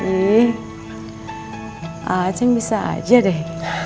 ih acing bisa aja deh